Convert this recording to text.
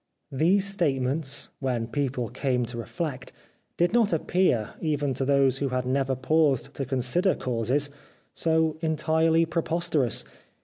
These statements, when people came to reflect, did not appear, even to those who had never paused to consider causes, so entirely preposterous.